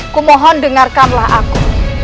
kumohon dengarkanlah aku